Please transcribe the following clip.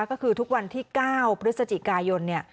ก็คือทุกวันที่๙พฤศจิกายน